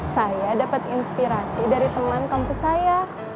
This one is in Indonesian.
saya dapat inspirasi dari teman kampus saya